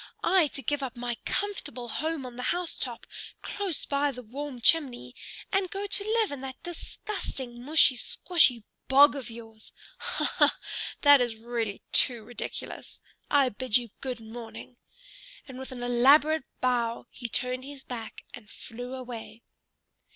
I to give up my comfortable home on the house top, close by the warm chimney, and go to live in that disgusting mushy squshy bog of yours! Ha ha! That is really too ridiculous! I bid you good morning." And with an elaborate bow he turned his back and flew away.